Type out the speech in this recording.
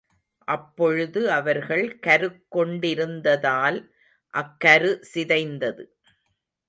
அப்பொழுது அவர்கள் கருக் கொண்டிருந்ததால், அக்கரு சிதைந்தது.